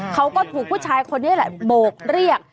เขาก็ถูกผู้ชายคนนี้แหละโบกเรียก